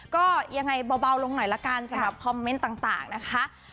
ก็ยังไงเบาลงหน่อยละกันสำหรับคอมเมนต์ต่างนะคะ